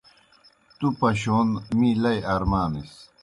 تُوْ پشون می لئی ارمانِس۔